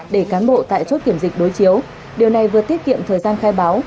để cán bộ tại chốt kiểm dịch đối chiếu điều này vừa tiết kiệm thời gian khai báo